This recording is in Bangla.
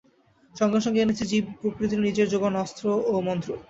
সঙ্গে সঙ্গে এনেছি জীবপ্রকৃতির নিজের জোগানো অস্ত্র ও মন্ত্র।